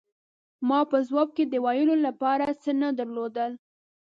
ما په ځواب کې د ویلو له پاره څه نه درلودل.